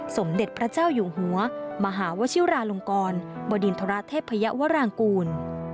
สมเด็จพระเจ้าอยู่หัวมหาวชิราลงกรบดินทรเทพยวรางกูล